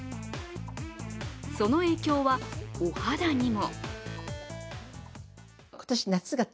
その影響はお肌にも。